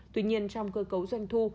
tuy nhiên trong cơ cấu doanh thu